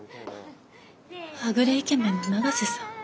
はぐれイケメンの永瀬さん。